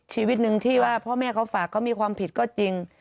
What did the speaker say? ชีวิตหนึ่งที่ว่าพ่อแม่เขาฝากเขามีความผิดก็จริง